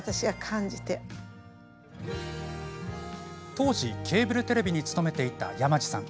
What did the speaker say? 当時ケーブルテレビに勤めていた山地さん。